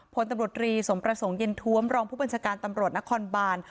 พลตำรวจรีสมประสงค์เย็นท้วมรองผู้บัญชาการตำรวจนครบาน